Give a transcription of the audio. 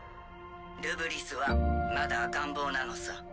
ルブリスはまだ赤ん坊なのさ。